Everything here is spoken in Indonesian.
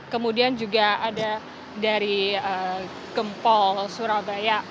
kemudian juga ada dari gempol surabaya